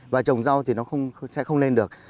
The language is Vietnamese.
và trồng rau thì nó sẽ không lên được